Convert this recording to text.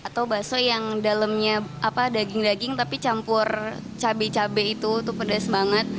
atau bakso yang dalamnya daging daging tapi campur cabai cabai itu tuh pedas banget